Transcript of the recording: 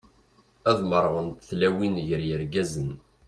Ad merrɣent tlawin gar yirgazen.